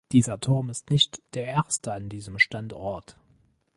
Dieser Turm ist nicht der erste an diesem Standort.